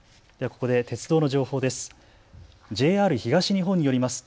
ここで鉄道の情報です。